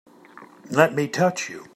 Let me touch you!